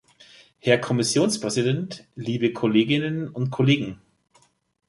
Herr Kommissionspräsident, liebe Kolleginnen und Kollegen!